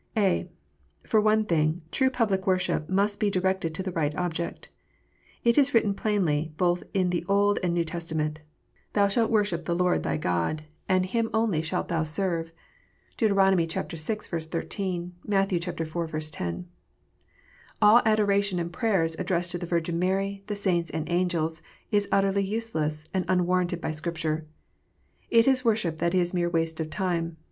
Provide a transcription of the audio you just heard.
(a) For one thing, true public worship must be directed to the right object. It is written plainly, both in the Old and K"ew Testament :" Thou shalt worship the Lord thy God, and Him 282 KNOTS UNTIED. only shalt thou serve." (Deut. vi. 13 ; Matt. iv. 10.) All adoration and prayers addressed to the Virgin Mary, the saints and angels, is utterly useless, and unwarranted by Scripture. It is worship that is mere waste of time.